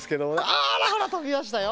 あらほらとびましたよ。